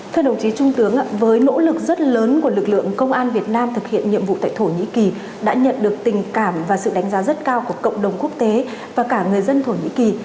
thưa đồng chí trung tướng với nỗ lực rất lớn của lực lượng công an việt nam thực hiện nhiệm vụ tại thổ nhĩ kỳ đã nhận được tình cảm và sự đánh giá rất cao của cộng đồng quốc tế và cả người dân thổ nhĩ kỳ